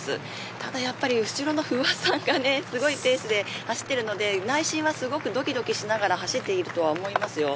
ただやっぱり、後ろの不破さんがすごいペースで走っているので内心はすごく、どきどきしながら走っていると思います。